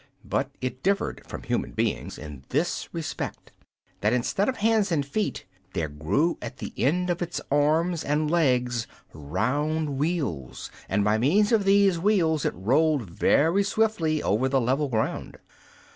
But it differed from human beings in this respect, that instead of hands and feet there grew at the end of its arms and legs round wheels, and by means of these wheels it rolled very swiftly over the level ground.